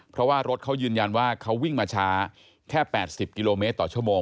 เพราะว่ารถเขายืนยันว่าเขาวิ่งมาช้าแค่๘๐กิโลเมตรต่อชั่วโมง